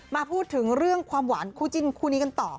มาพูดถึงเรื่องความหวานคู่จิ้นคู่นี้กันต่อ